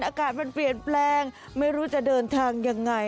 อากาศมันเปลี่ยนแปลงไม่รู้จะเดินทางยังไง